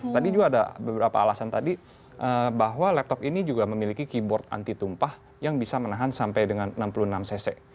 tadi juga ada beberapa alasan tadi bahwa laptop ini juga memiliki keyboard anti tumpah yang bisa menahan sampai dengan enam puluh enam cc